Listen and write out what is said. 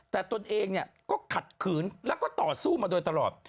แต่ตนเองก็ขัดขืนแล้วก็ต่อสู้มาโดยตลอด